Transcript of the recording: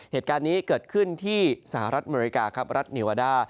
เหตุการณ์นี้เกิดขึ้นที่สหรัฐอเมริกาครับรัฐเนวาด้า